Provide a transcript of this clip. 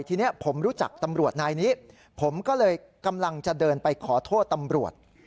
ทีนี้ผมรู้จักตำรวจนายนี้ผมก็เลยกำลังจะเดินไปขอโทษตำรวจ